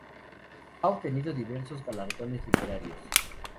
Ha obtenido diversos galardones literarios.